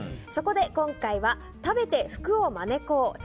そこで今回は、食べて福を招こう